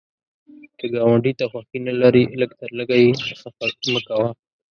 که ګاونډي ته خوښي نه لرې، لږ تر لږه یې خفه مه کوه